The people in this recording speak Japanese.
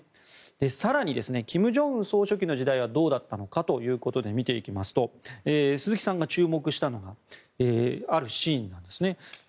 更に金正恩総書記の時代はどうだったのかということで見ていきますと鈴木さんが注目したのはあるシーンなんですね。